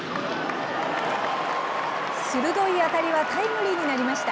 鋭い当たりはタイムリーになりました。